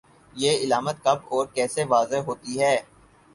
یہ علامات کب اور کیسے واضح ہوتی ہیں